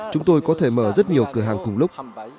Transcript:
chúng tôi có thể mở rất nhiều cửa hàng cùng lúc